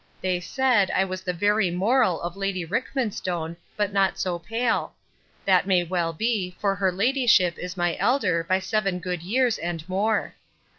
They said, I was the very moral of lady Rickmanstone, but not so pale that may well be, for her ladyship is my elder by seven good years and more.